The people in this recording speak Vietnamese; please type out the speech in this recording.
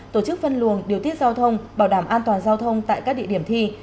tổ chức phân luồng điều tiết giao thông bảo đảm an toàn giao thông tại các địa điểm thi